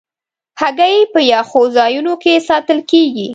هګۍ په یخو ځایونو کې ساتل کېږي.